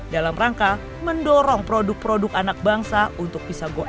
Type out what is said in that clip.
dalam rangka mendorong produk produk anak bangsa untuk bisa go ekspor dan go digital